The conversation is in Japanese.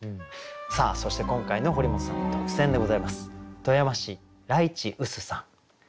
さあそして今回の堀本さんの特選でございます。